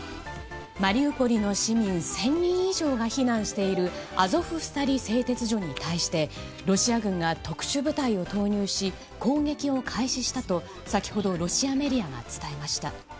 マリウポリの市民１０００人以上が避難しているアゾフスタリ製鉄所に対してロシア軍が特殊部隊を投入し攻撃を開始したと先ほどロシアメディアが伝えました。